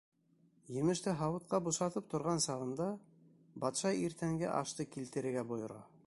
Емеште һауытҡа бушатып торған сағында, батша иртәнге ашты килтерергә бойора.